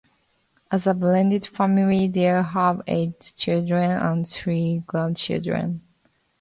As a blended family, they have eight children and three grandchildren.